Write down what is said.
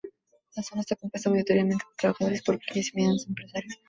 La zona está compuesta mayoritariamente por trabajadores y por pequeños y medianos empresarios.